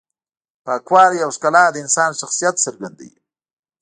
پاکوالی او ښکلا د انسان شخصیت څرګندوي.